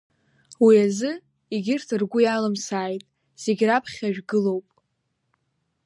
Уи азы, егьырҭ ргәы иалымсааит, зегьы раԥхьа шәгылоуп…